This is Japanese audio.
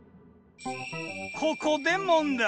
ここで問題。